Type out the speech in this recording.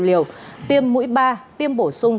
liều tiêm mũi ba tiêm bổ sung